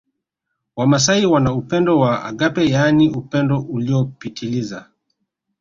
Wamasai wana upendo wa agape yaani upendo uliopitiliza